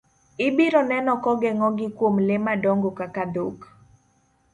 Ibiro neno kogeng'o gi kuom le madongo kaka dhok.